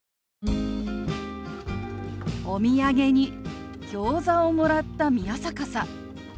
お土産にギョーザをもらった宮坂さん。